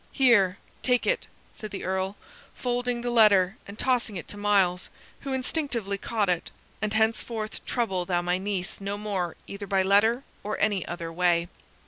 "Here, take it," said the Earl, folding the letter and tossing it to Myles, who instinctively caught it, "and henceforth trouble thou my niece no more either by letter or any other way.